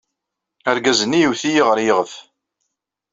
Argaz-nni iwet-iyi ɣer yiɣef.